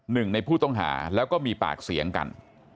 หนึ่งในผู้ต้องหาแล้วก็มีปากเสียงกัน